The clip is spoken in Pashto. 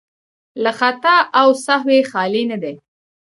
له خطا او سهوی خالي نه دي.